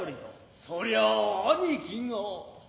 そりゃァ兄貴が。